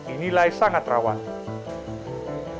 inilah yang terkendala